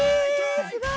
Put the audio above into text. すごい！